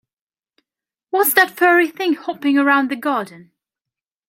What's that furry thing hopping around the garden?